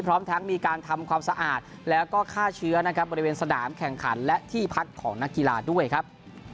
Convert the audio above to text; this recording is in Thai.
พร้อมทั้งมีการทำความสะอาดแล้วก็ฆ่าเชื้อนะครับบริเวณสนามแข่งขันและที่พักของนักกีฬาด้วยครับ